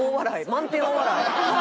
満点大笑い。